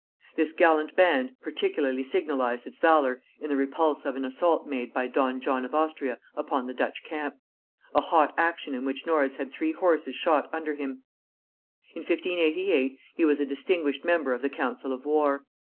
This gallant band particularly signalized its valor in the repulse of an assault made by don John of Austria upon the Dutch camp; a hot action in which Norris had three horses shot under him. In 1588 he was a distinguished member of the council of war.